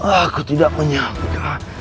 aku tidak menyambik